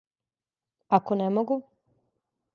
Ако не могу?